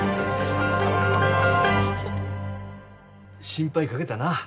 心配かけたな。